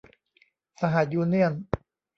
สหยูเนี่ยน